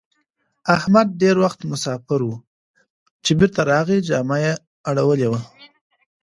احمد ډېر وخت مساپر وو؛ چې بېرته راغی جامه يې اړولې وه.